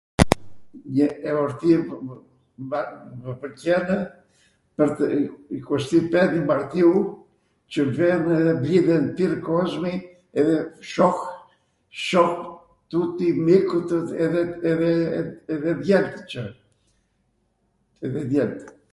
eorti, mw pwlqenw ikosti pempti martiu qw vemw edhe blidhen tir kozmi, edhe shoh, shoh tuti mikwtw edhe edhe djemt qw, edhe djemt